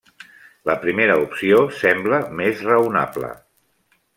La primera opció sembla més raonable.